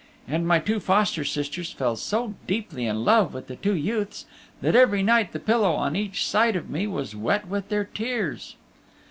And my two foster sisters fell so deeply in love with the two youths that every night the pillow on each side of me was wet with their tears.